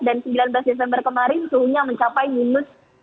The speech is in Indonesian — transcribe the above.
dan sembilan belas desember kemarin suhunya mencapai minus